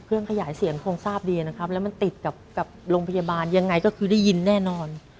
เครื่องขยายเสียงคงทราบดีนะครับแล้วมันติดกับโรงพยาบาลยังไงก็คือได้ยินแน่นอน